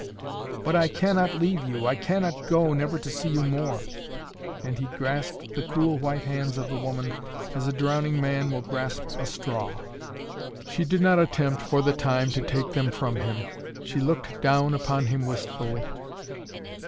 "But I cannot leave you, I cannot go, never to see you more " and he grasped the cool white hands of the woman as a drowning man will grasp a straw. She did not attempt, for the time, to take them from him. She looked down upon him wistfully.